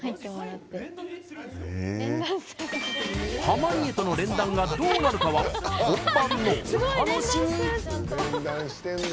濱家との連弾が、どうなるかは本番のお楽しみ！